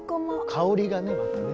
香りがねまたね。